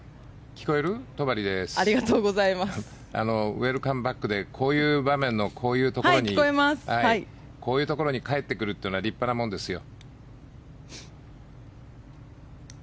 ウェルカムバックでこういう場面のこういうところに帰ってくるというのは立派なもんですよ。